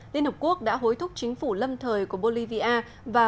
liên hợp quốc đã hối thúc chính phủ lâm thời của bolivia và